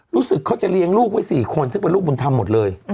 รู้สึกเขาจะเลี้ยงลูกไว้๔คนซึ่งเป็นลูกบุญธรรมหมดเลย